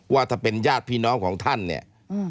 ว่าถ้าเป็นญาติพี่น้องของท่านเนี่ย